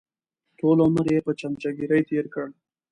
ټول عمر یې په چمچهګیري تېر کړ.